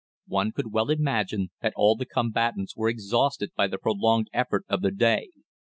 One could well imagine that all the combatants were exhausted by the prolonged effort of the day.